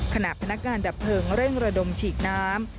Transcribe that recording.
พนักงานดับเพลิงเร่งระดมฉีดน้ำ